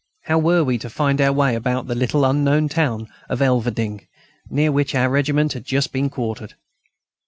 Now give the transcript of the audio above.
How were we to find our way about the little unknown town of Elverdinghe, near which our regiment had just been quartered?